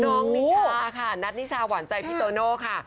นิชาค่ะนัทนิชาหวานใจพี่โตโน่ค่ะ